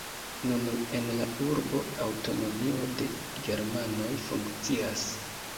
Nun en la urbo aŭtonomio de germanoj funkcias.